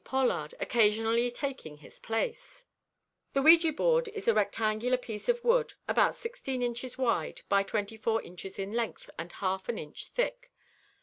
Pollard, occasionally taking his place. The ouija board is a rectangular piece of wood about 16 inches wide by 24 inches in length and half an inch thick.